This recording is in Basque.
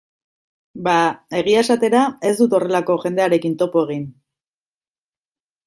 Ba, egia esatera, ez dut horrelako jendearekin topo egin.